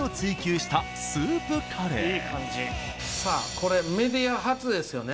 これメディア初ですよね？